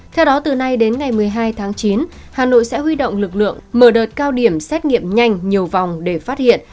theo đó từ nay đến ngày một mươi hai tháng chín hà nội sẽ huy động lực lượng mở đợt cao điểm xét nghiệm nhanh nhiều vòng để phát hiện